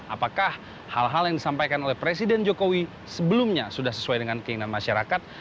apakah hal hal yang disampaikan oleh presiden jokowi sebelumnya sudah sesuai dengan keinginan masyarakat